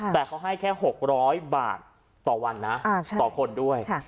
แต่เขาให้แค่๖๐๐บาทต่อวันนะต่อคนด้วย